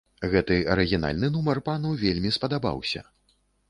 Гэты арыгінальны нумар пану вельмі спадабаўся.